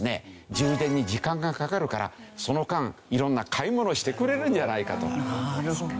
充電に時間がかかるからその間色んな買い物をしてくれるんじゃないかとか。